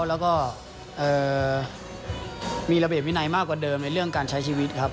แล้วก็มีระเบียบวินัยมากกว่าเดิมในเรื่องการใช้ชีวิตครับ